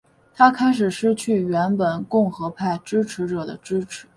他开始失去原本共和派支持者的支持。